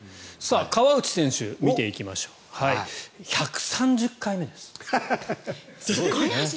川内選手見ていきましょう１３０回目です。